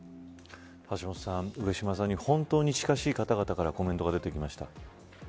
橋下さん上島さんに本当に親しい方々からコメントが出てきました。